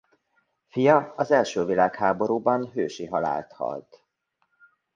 Fia az első világháborúban hősi halált halt.